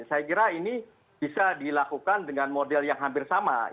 saya kira ini bisa dilakukan dengan model yang hampir sama